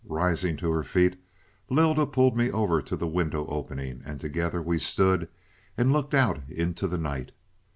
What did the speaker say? Rising to her feet, Lylda pulled me over to the window opening, and together we stood and looked out into the night.